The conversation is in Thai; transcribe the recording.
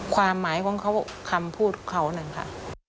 ความหมายของเขาคำพูดเขานั่นค่ะ